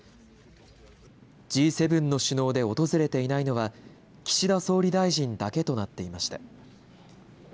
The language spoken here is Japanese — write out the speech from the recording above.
Ｇ７の首脳で訪れていないのは岸田総理大臣だけとなっていました。